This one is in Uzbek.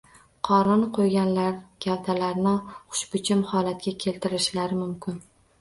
Qorin qo‘yganlar gavdalarini xushbichim holatga keltirishlari mumkin.